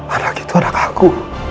anak itu anak aku